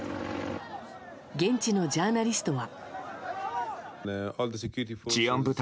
現地のジャーナリストは。